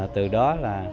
từ đó là